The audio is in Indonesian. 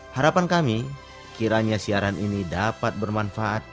harapan kami kiranya siaran ini dapat bermanfaat